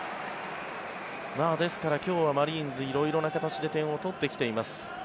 ですから今日はマリーンズ色々な形で点を取ってきています。